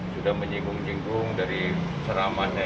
sudah menyinggung yinggung dari seramannya